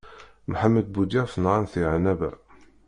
Muḥemmed Buḍyaf nɣant di Ɛennaba.